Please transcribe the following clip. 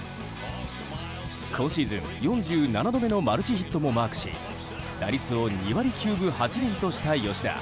今シーズン４７度目のマルチヒットもマークし打率を２割９分８厘とした吉田。